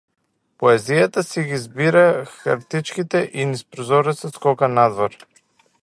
Поезијата си ги збира хартиичките и низ прозорецот скока надвор.